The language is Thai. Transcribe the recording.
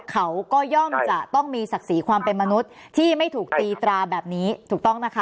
เขาก็ย่อมจะต้องมีศักดิ์ศรีความเป็นมนุษย์ที่ไม่ถูกตีตราแบบนี้ถูกต้องนะคะ